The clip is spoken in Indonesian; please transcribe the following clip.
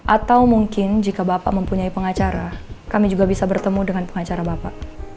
atau mungkin jika bapak mempunyai pengacara kami juga bisa bertemu dengan pengacara bapak